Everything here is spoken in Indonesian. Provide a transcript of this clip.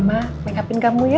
sampai jumpa di video selanjutnya